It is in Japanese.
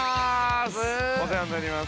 お世話になります。